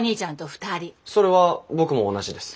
それは僕も同じです。